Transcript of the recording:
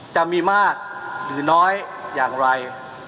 จะมีมากหรือน้อยอย่างไร